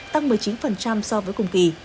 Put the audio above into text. tăng một mươi chín so với cùng kỳ